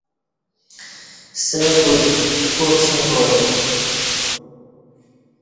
سہ پُت پاپشیں پار